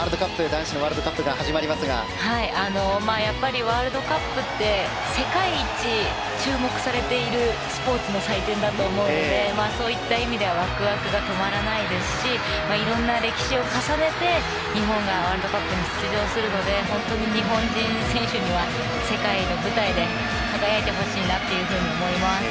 男子のワールドカップがやはりワールドカップって世界一注目されているスポーツの祭典だと思うのでそういった意味ではワクワクが止まらないですしいろんな歴史を重ねて日本がワールドカップに出場するので本当に日本人選手には世界の舞台で輝いてほしいなと思います。